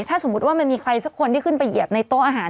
ถ้าสมมุติว่ามันมีใครสักคนที่ขึ้นไปเหยียบในโต๊ะอาหาร